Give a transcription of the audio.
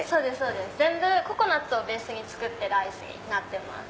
全部ココナツをベースに作ってるアイスになってます。